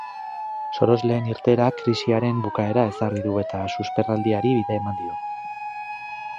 Sorosleen irteerak krisiaren bukaera ezarri du eta susperraldiari bide eman dio.